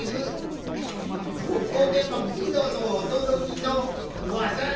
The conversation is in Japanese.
ここでもプロの驚きの技が！